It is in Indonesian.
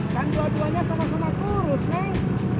kan dua duanya sama sama kurus neng